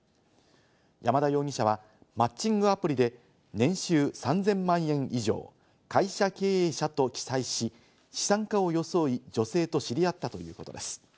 山田容疑者はマッチングアプリで年収３０００万円以上、会社経営者と記載し、資産家を装い、女性と知り合ったということです。